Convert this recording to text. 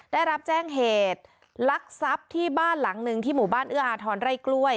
ได้รับแจ้งเหตุลักทรัพย์ที่บ้านหลังหนึ่งที่หมู่บ้านเอื้ออาทรไร่กล้วย